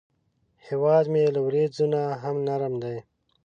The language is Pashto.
هیواد مې له وریځو نه هم نرم دی